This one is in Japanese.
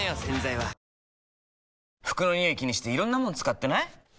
洗剤は服のニオイ気にしていろんなもの使ってない？